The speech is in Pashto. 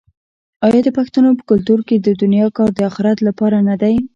آیا د پښتنو په کلتور کې د دنیا کار د اخرت لپاره نه دی؟